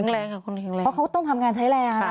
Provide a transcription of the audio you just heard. แรงค่ะคนแข็งแรงเพราะเขาต้องทำงานใช้แรงค่ะ